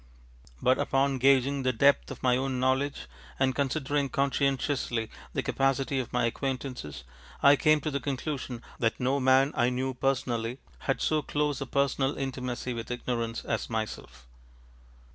But upon gauging the depth of my own knowledge and considering conscientiously the capacity of my acquaintances, I came to the conclusion that no man I knew personally had so close a personal intimacy with ignorance as myself.